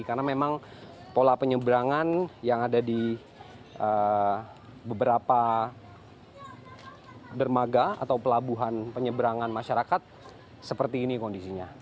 karena memang pola penyeberangan yang ada di beberapa dermaga atau pelabuhan penyeberangan masyarakat seperti ini kondisinya